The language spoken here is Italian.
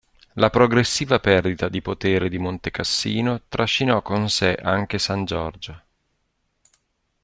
La progressiva perdita di potere di Montecassino trascinò con sé anche San Giorgio.